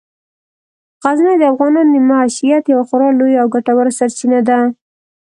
غزني د افغانانو د معیشت یوه خورا لویه او ګټوره سرچینه ده.